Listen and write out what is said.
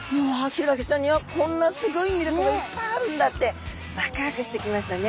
ヒイラギちゃんにはこんなすごい魅力がいっぱいあるんだってワクワクしてきましたね。